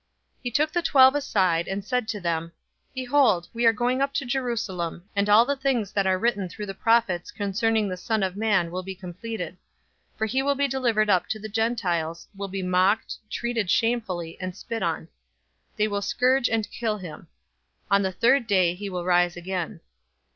018:031 He took the twelve aside, and said to them, "Behold, we are going up to Jerusalem, and all the things that are written through the prophets concerning the Son of Man will be completed. 018:032 For he will be delivered up to the Gentiles, will be mocked, treated shamefully, and spit on. 018:033 They will scourge and kill him. On the third day, he will rise again."